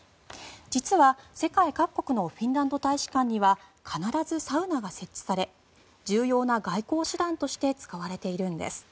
実は世界各国のフィンランド大使館には必ずサウナが設置され重要な外交手段として使われているんです。